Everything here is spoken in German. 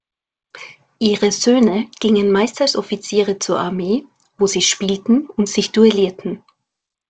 Ihre Söhne gingen meist als Offiziere zur Armee, wo sie spielten und sich duellierten.